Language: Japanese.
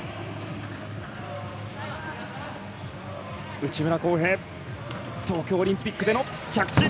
内村航平、東京オリンピックでの着地。